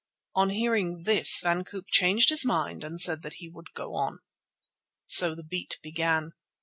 On hearing this Van Koop changed his mind and said that he would go on. So the beat began.